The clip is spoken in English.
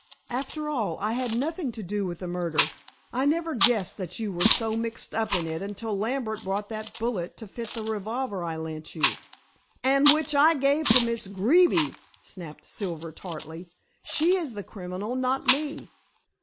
"After all, I had nothing to do with the murder. I never guessed that you were so mixed up in it until Lambert brought that bullet to fit the revolver I lent you." "And which I gave to Miss Greeby," snapped Silver tartly. "She is the criminal, not me.